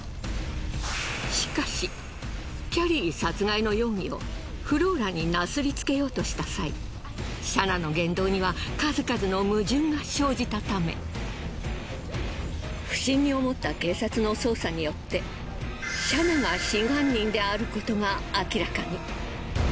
しかしキャリー殺害の容疑をフローラになすりつけようとした際シャナの言動には数々の矛盾が生じたため不審に思った警察の捜査によってシャナが真犯人であることが明らかに。